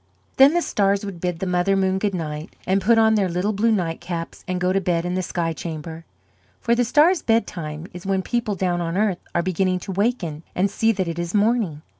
Then the stars would bid the Mother Moon good night and put on their little blue nightcaps and go to bed in the sky chamber; for the stars' bedtime is when people down on the earth are beginning to waken and see that it is morning.